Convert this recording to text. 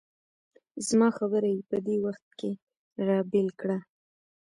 زما خبره یې په دې وخت کې را بېل کړه.